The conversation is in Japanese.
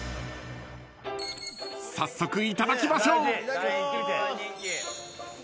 ［早速いただきましょう］